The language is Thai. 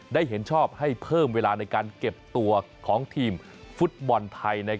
เห็นชอบให้เพิ่มเวลาในการเก็บตัวของทีมฟุตบอลไทย